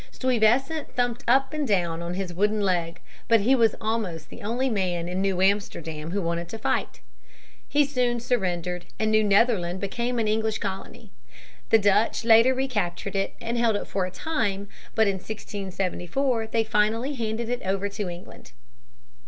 Stuyvesant thumped up and down on his wooden leg. But he was almost the only man in New Amsterdam who wanted to fight. He soon surrendered, and New Netherland became an English colony. The Dutch later recaptured it and held it for a time; but in 1674 they finally handed it over to England.